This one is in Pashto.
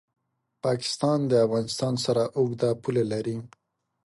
پاکستان د افغانستان سره اوږده پوله لري.